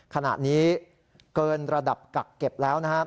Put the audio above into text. ขณะนี้เกินระดับกักเก็บแล้วนะครับ